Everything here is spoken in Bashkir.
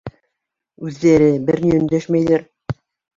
Үҙҙәре бер ни өндәшмәйҙәр.